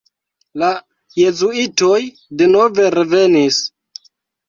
La jezuitoj denove revenis.